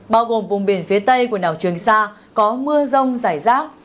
bao gồm vùng biển phía tây của nào trường sa có mưa rông rải rác